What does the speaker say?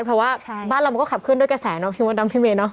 เพราะว่าบ้านเรามันก็ขับเคลื่อด้วยกระแสเนาะพี่มดดำพี่เมยเนาะ